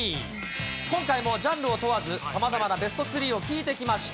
今回もジャンルを問わず、さまざまなベスト３を聞いてきました。